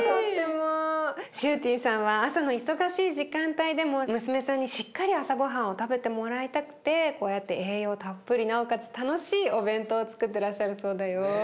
シューティンさんは朝の忙しい時間帯でも娘さんにしっかり朝ごはんを食べてもらいたくてこうやって栄養たっぷりなおかつ楽しいお弁当をつくってらっしゃるそうだよ。